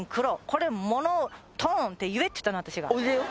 これモノトーンって言えって言ったの私が俺だよ